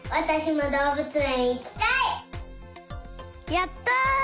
やった！